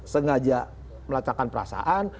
sengaja melacakan perasaan